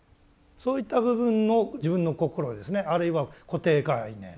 そういった部分の自分の心をですねあるいは固定概念